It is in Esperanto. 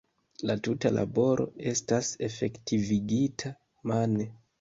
La tuta laboro estas efektivigita mane.